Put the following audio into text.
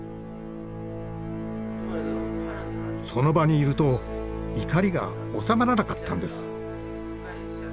その場にいると怒りが収まらなかったんです。